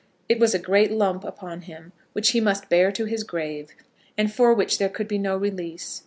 It was a great lump upon him, which he must bear to his grave; and for which there could be no release.